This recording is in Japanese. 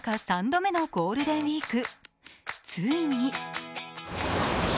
３度目のゴールデンウイーク。